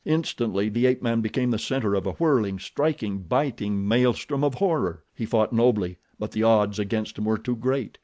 Instantly the ape man became the center of a whirling, striking, biting maelstrom of horror. He fought nobly but the odds against him were too great.